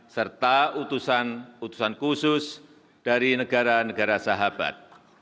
serta utusan utusan khusus dari negara negara sahabat